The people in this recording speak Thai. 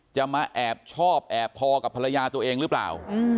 จะมาแอบชอบแอบพอกับภรรยาตัวเองหรือเปล่า